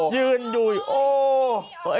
ยืนอยู่โอ้